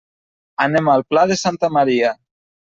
Anem al Pla de Santa Maria.